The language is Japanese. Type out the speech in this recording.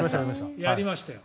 やりましたよ。